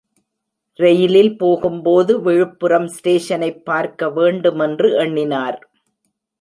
ரெயிலில் போகும் போது விழுப்புரம் ஸ்டேஷனைப் பார்க்க வேண்டுமென்று எண்ணினார்.